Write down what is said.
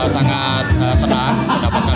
sangat senang mendapatkan